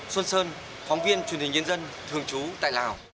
xuân sơn phóng viên truyền hình nhân dân thường trú tại lào